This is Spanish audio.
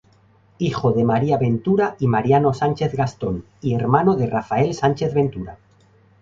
Hijo de María Ventura y Mariano Sánchez Gastón, y hermano de Rafael Sánchez Ventura.